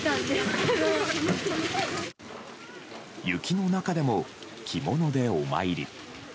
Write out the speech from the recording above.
雪の中でも着物でお参り。